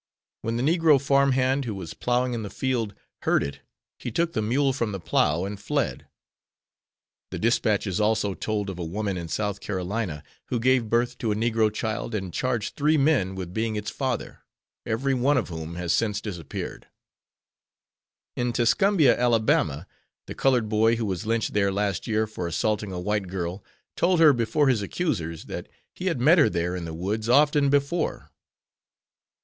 When the Negro farm hand who was plowing in the field heard it he took the mule from the plow and fled. The dispatches also told of a woman in South Carolina who gave birth to a Negro child and charged three men with being its father, every one of whom has since disappeared. In Tuscumbia, Ala., the colored boy who was lynched there last year for assaulting a white girl told her before his accusers that he had met her there in the woods often before.